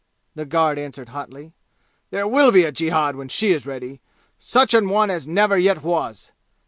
the guard answered hotly. "There will be a jihad when she is ready, such an one as never yet was!